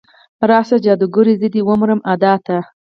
راشه جادوګرې، زه دې ومرمه ادا ته